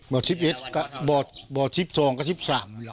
บ่อสิบเอ็ดก็บ่อสิบสองก็สิบสาม